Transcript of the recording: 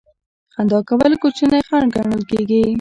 خندا کول کوچنی خنډ ګڼل کیږي.